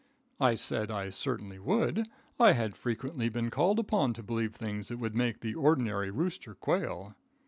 I said I certainly would. I had frequently been called upon to believe things that would make the ordinary rooster quail.